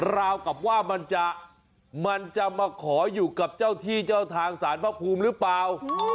ราวกับว่ามันจะมันจะมาขออยู่กับเจ้าที่เจ้าทางสารพระภูมิหรือเปล่า